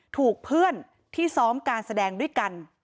ถูกเพื่อนที่ซ้อมการแสดงด้วยกัน